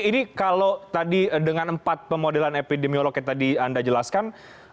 ini kalau tadi dengan empat pemodelan epidemiolog yang tadi anda jelaskan